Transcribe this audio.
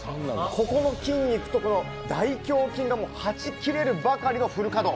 この筋肉と大胸筋がはち切れるばかりのフル稼働。